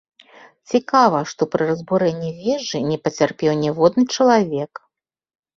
Цікава, што пры разбурэнні вежы не пацярпеў ніводны чалавек.